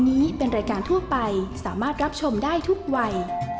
โหลดแล้วสวัสดีครับ